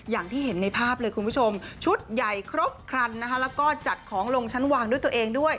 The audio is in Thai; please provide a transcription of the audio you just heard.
อย่างที่เห็นในภาพเลยคุณผู้ชมชุดใหญ่ครบครันนะคะแล้วก็จัดของลงชั้นวางด้วยตัวเองด้วย